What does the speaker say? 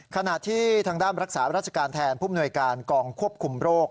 ขณะที่ทางด้านรักษาราชการแทนผู้มนวยการกองควบคุมโรค